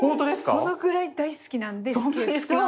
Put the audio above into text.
そのくらい大好きなんですけど。